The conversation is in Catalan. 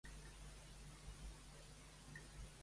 Qui més hi està a favor?